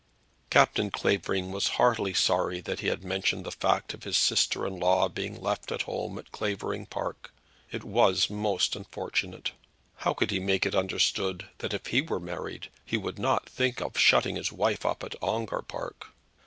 Captain Clavering was heartily sorry that he had mentioned the fact of his sister in law being left at home at Clavering Park. It was most unfortunate. How could he make it understood that if he were married he would not think of shutting his wife up at Ongar Park?